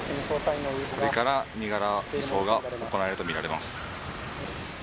これから身柄移送が行われると見られます。